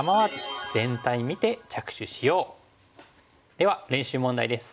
では練習問題です。